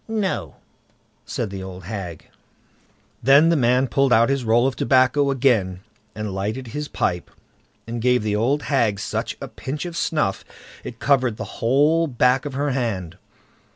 "No", said the old hag. Then the man pulled out his roll of tobacco again, and lighted his pipe, and gave the old hag such a pinch of snuff it covered the whole back of her hand.